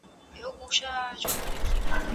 زه اوبه پاکې کړې دي!!